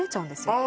ああ